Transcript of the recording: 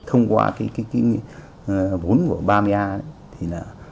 thông qua cái vốn của bamia